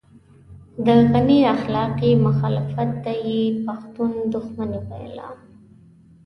د غني اخلاقي مخالفت ته يې پښتون دښمني ويله.